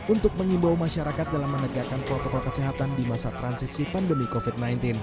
untuk mengimbau masyarakat dalam menegakkan protokol kesehatan di masa transisi pandemi covid sembilan belas